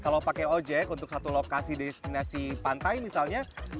kalau pakai ojek untuk satu lokasi destinasi pantai misalnya